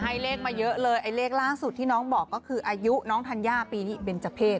ให้เลขมาเยอะเลยไอ้เลขล่าสุดที่น้องบอกก็คืออายุน้องธัญญาปีนี้เบนเจอร์เพศ